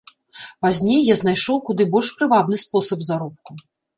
Пазней я знайшоў куды больш прывабны спосаб заробку.